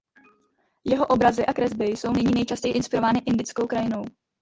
Jeho obrazy a kresby jsou nyní nejčastěji inspirovány indickou krajinou.